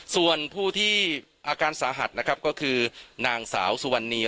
ส่วนผู้ที่อาการสาหัสนะครับก็คือนางสาวสุวรรณี